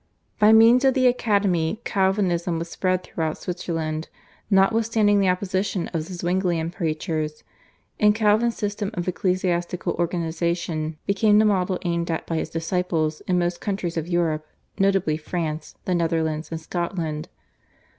By means of the academy, Calvinism was spread throughout Switzerland notwithstanding the opposition of the Zwinglian preachers, and Calvin's system of ecclesiastical organisation became the model aimed at by his disciples in most countries of Europe, notably France, the Netherlands, and Scotland.